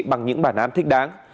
bằng những bản án thích đáng